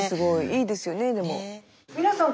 いいですよねえでも。